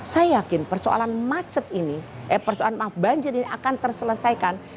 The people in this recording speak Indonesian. saya yakin persoalan banjir ini akan terselesaikan